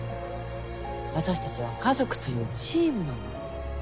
私たちは家族というチームなの。